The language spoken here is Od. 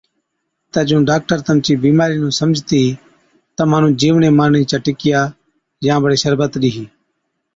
تہ جُون ڊاڪٽر تمچِي بِيمارِي نُون سمجھتِي تمهان نُون جِيوڙين مارڻي چِيا ٽِڪِيا يان بڙي شربت ڏِيهِي۔